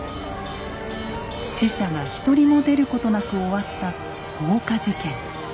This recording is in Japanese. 死者が一人も出ることなく終わった放火事件。